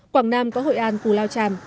quảng nam có hội an cù lao tràm